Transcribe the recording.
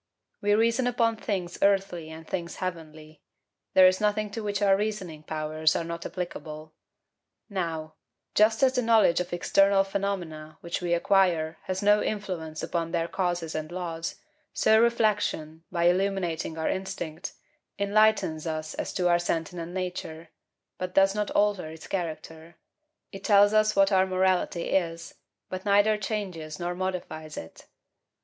We reason upon things earthly and things heavenly; there is nothing to which our reasoning powers are not applicable. Now, just as the knowledge of external phenomena, which we acquire, has no influence upon their causes and laws, so reflection, by illuminating our instinct, enlightens us as to our sentient nature, but does not alter its character; it tells us what our morality is, but neither changes nor modifies it.